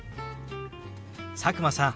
佐久間さん